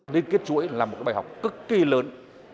liên kết chuỗi là một bài học cực kỳ lớn